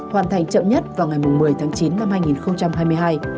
hoàn thành chậm nhất vào ngày một mươi tháng chín năm hai nghìn hai mươi hai